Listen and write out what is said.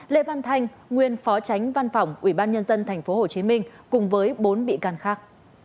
lê văn thanh nguyên phó tránh văn phòng ủy ban nhân dân tp hcm cùng với bốn bị can khác